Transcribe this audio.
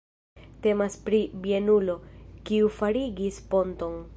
Temas pri bienulo, kiu farigis ponton.